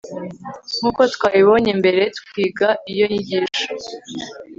nk'uko twabibonye mbere twiga iyo nyigisho